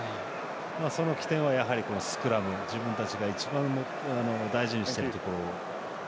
その起点はスクラム、自分たちが一番大事にしているところ。